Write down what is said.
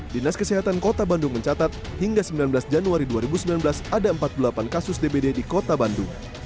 dinas kesehatan kota bandung mencatat hingga sembilan belas januari dua ribu sembilan belas ada empat puluh delapan kasus dbd di kota bandung